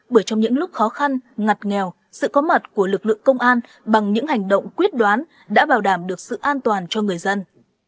bởi trong những lúc khó khăn ngặt nghèo sự có mặt của lực lượng công an bằng những hành động quyết đoán đã bảo đảm được sự an toàn cho người dân